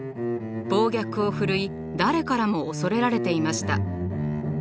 暴虐をふるい誰からも恐れられていました。